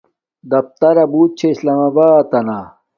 دفترا بوت چھے اسلام آباتنا